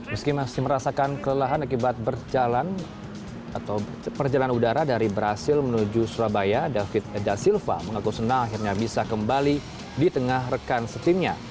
meski masih merasakan kelelahan akibat berjalan atau perjalanan udara dari brazil menuju surabaya david da silva mengaku senang akhirnya bisa kembali di tengah rekan setimnya